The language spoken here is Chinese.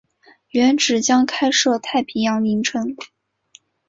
原址将开设太平洋影城。